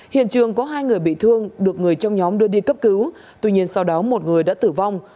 hiện trường có hai người bị thương được người trong nhóm đưa đi cấp cứu tuy nhiên sau đó một người đã tử vong